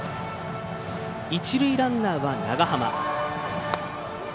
一塁ランナーは長濱。